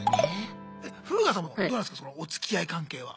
フーガさんはどうなんすかそのおつきあい関係は？